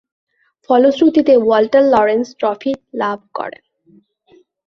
ফলশ্রুতিতে Walter Lawrence trophy লাভ করেন।